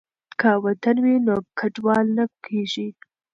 که وطن وي نو کډوال نه کیږو.